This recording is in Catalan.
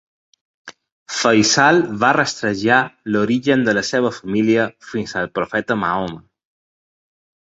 Faisal va rastrejar l'origen de la seva família fins al profeta Mahoma.